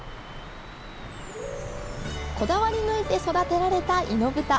こだわり抜いて育てられた猪豚。